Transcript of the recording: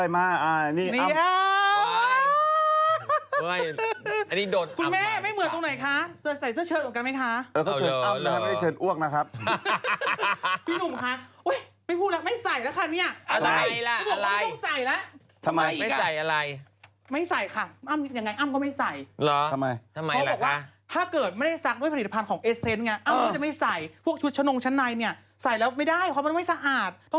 เพราะว่าถ้าใส่เป็นแบบเป็นทรงไม่ได้ค่ะคุณแม่